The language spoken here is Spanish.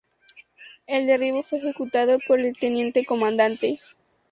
El derribo fue ejecutado por el teniente comandante.